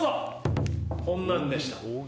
こんなのでした。